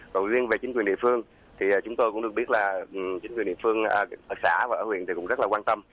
còn riêng về chính quyền địa phương thì chúng tôi cũng được biết là chính quyền địa phương ở xã và ở huyện thì cũng rất là quan tâm